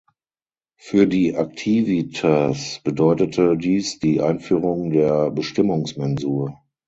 Für die Aktivitas bedeutete dies die Einführung der Bestimmungsmensur.